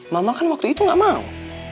mama kan waktu itu gak mau